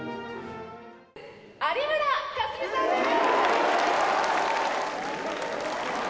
有村架純さんです。